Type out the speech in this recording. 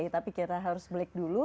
tapi kita harus break dulu